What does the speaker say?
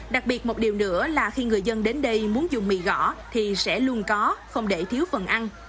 đặc biệt một điều nữa là khi người dân đến đây muốn dùng mì gõ thì sẽ luôn có không để thiếu phần ăn